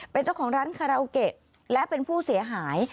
เป็นเจ้าของร้านคาราโอเกะและเป็นผู้เสียหาย